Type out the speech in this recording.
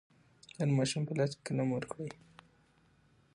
د هر ماشوم په لاس کې قلم ورکړئ.